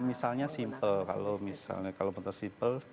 misalnya simple kalau motor simple